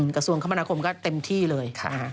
กระทรวงคมนาคมก็เต็มที่เลย